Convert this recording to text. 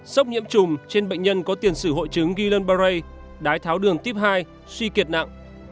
sốc nhiễm trùm trên bệnh nhân có tiền sử hội chứng guillain barre đái tháo đường tiếp hai suy kiệt nặng